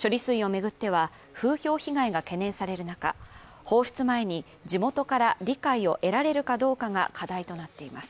処理水を巡っては、風評被害が懸念される中、放出前に地元から理解を得られるかどうかが課題となっています。